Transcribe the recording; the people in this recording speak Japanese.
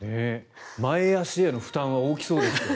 前足への負担は大きそうですよね。